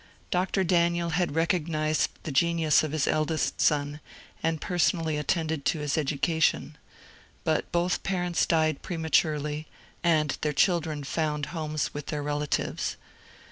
Dr. Daniel had recognized the genius of his eldest son and personally attended to his education. But both parents died prematurely, and their children found homes with their relatives.